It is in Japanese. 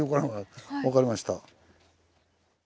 分かりました。